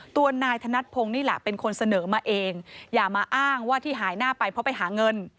ตัวนายธนัดพงศ์นี่แหละเป็นคนเสนอมาเองอย่ามาอ้างว่าที่หายหน้าไปเพราะไปหาเงิน